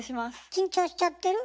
緊張しちゃってる？